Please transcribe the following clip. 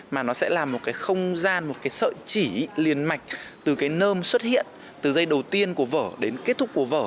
mà nó sẽ là một cái không gian một cái sợi chỉ liền mạch từ cái nơm xuất hiện từ dây đầu tiên của vở đến kết thúc của vở